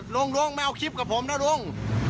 ไม่ต้องมาเอาคลิปกับผมนะลุง